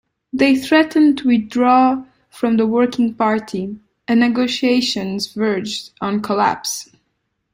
They threatened to withdraw from the Working Party, and negotiations verged on collapse.